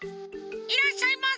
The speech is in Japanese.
いらっしゃいませ！